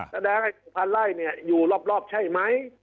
แสดง๑๐๐๐ไล่อยู่รอบใช่ไหม